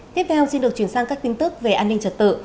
tiếp theo xin được chuyển sang các tin tức về an ninh trật tự